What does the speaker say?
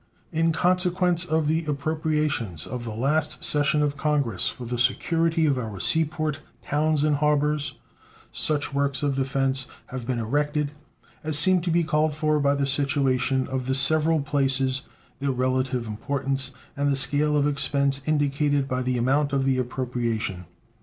In consequence of the appropriations of the last session of Congress for the security of our sea port towns and harbors, such works of defense have been erected as seemed to be called for by the situation of the several places, their relative importance, and the scale of expense indicated by the amount of the appropriation.